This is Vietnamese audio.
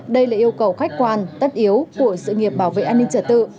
đây là yêu cầu khách quan tất yếu của sự nghiệp bảo vệ an ninh trật tự